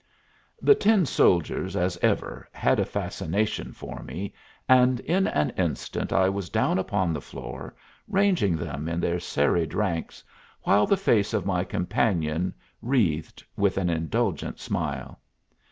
The tin soldiers as ever had a fascination for me, and in an instant I was down upon the floor, ranging them in their serried ranks, while the face of my companion wreathed with an indulgent smile.